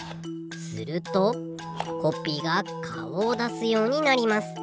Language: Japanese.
するとコッピーがかおをだすようになります。